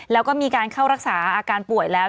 แล้วก็มีการเข้ารักษาอาการป่วยแล้ว